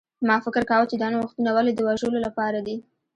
ما فکر کاوه چې دا نوښتونه ولې د وژلو لپاره دي